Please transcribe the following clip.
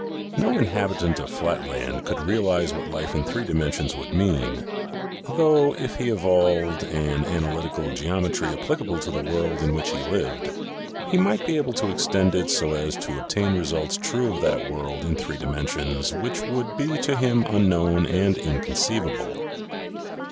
No inhabitant of flatland could realize what life in three dimensions would mean, though, if he evolved an analytical geometry applicable to the world in which he lived, he might be able to extend it so as to obtain results true of that world in three dimensions which would be to him unknown and inconceivable.